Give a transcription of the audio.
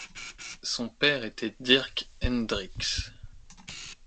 Son père était Dirck Hendricksz.